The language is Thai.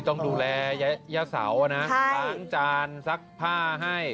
ต้องดูแลย่าเสานะล้างจานซักผ้าให้